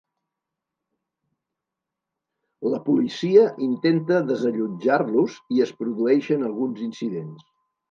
La policia intenta desallotjar-los i es produeixen alguns incidents.